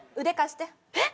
腕貸して。